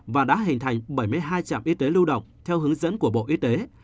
và đã hình thành bảy mươi hai trạm y tế lưu động theo hướng dẫn của bộ y tế